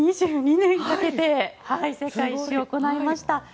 ２２年かけて世界一周を行いました。